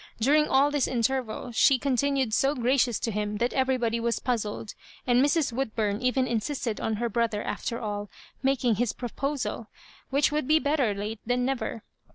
During all this interval she contmued so gradous to him that everybody was puzzled, and Mra Woodbum even insisted on her brother, after all, making his proposal, which would be better late than never.